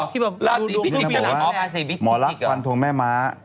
อ๋อหรอลาสิพี่จิ๊กนี่ทำบอกว่าหมอรักษ์ฟันตรงแม่ม้า